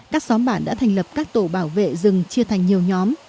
các xóm bản đã thành lập các tổ bảo vệ rừng chia thành nhiều nhóm